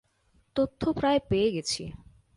তথ্য প্রায় পেয়ে গেছি।